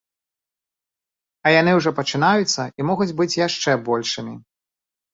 А яны ўжо пачынаюцца і могуць быць яшчэ большымі.